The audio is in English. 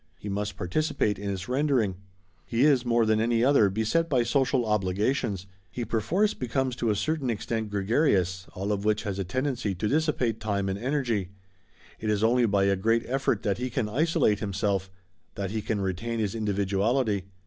He must participate in its rendering. He is, more than any other, beset by social obligations; he perforce becomes to a certain extent gregarious, all of which has a tendency to dissipate time and energy. It is only by a great effort that he can isolate himself; that he can retain his individuality.